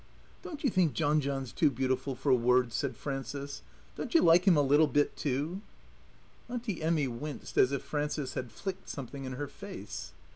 "Don't you think John John's too beautiful for words?" said Frances. "Don't you like him a little bit too?" Auntie Emmy winced as if Frances had flicked something in her face.